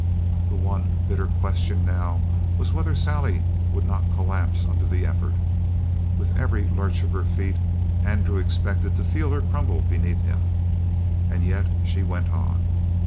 The one bitter question now was whether Sally would not collapse under the effort. With every lurch of her feet, Andrew expected to feel her crumble beneath him. And yet she went on.